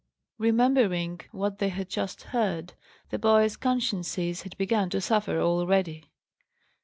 Remembering what they had just heard, the boys' consciences had begun to suffer already.